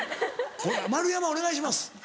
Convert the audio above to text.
丸山お願いします